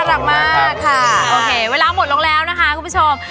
โอเคเวลาหมดลงแล้วนะคะคุณผู้ชม